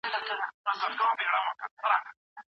ژوند د ماناوو مجمع ده.